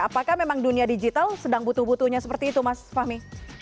apakah memang dunia digital sedang butuh butuhnya seperti itu mas fahmi